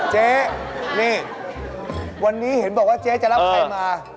เจ๊นี่วันนี้เห็นบอกว่าเจ๊จะรับใครมา